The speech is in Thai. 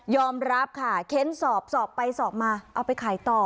รับค่ะเค้นสอบสอบไปสอบมาเอาไปขายต่อ